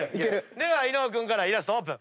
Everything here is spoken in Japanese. では伊野尾君からイラストオープン。